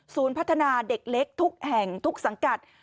พัฒนาเด็กเล็กทุกแห่งทุกสังกัด